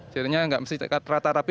jadinya tidak mesti rata rapi